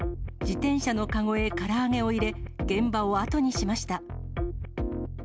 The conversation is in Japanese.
自転車の籠へから揚げを入れ、現場を後にしました。